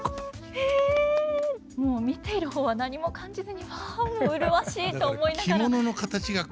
もう見ている方は何も感じずに「うわ麗しい」と思いながら。